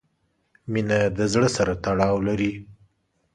• مینه د زړۀ سره تړاو لري.